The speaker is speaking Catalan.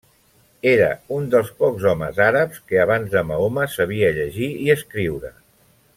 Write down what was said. Era un dels pocs homes àrabs que abans de Mahoma sabia llegir i escriure.